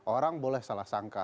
orang boleh salah sangka